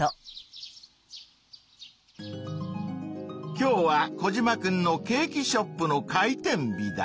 今日はコジマくんのケーキショップの開店日だ。